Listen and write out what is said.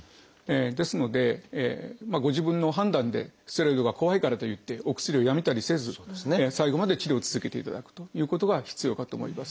ですのでご自分の判断でステロイドが怖いからといってお薬をやめたりせず最後まで治療を続けていただくということが必要かと思います。